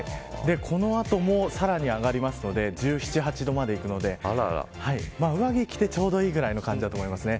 この後も、さらに上がりますので１７、１８度までいきますので上着を着て、ちょうどいいくらいだと思います。